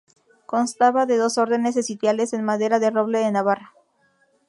Constaba de dos órdenes de sitiales en madera de roble de Navarra.